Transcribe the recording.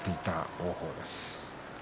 王鵬です。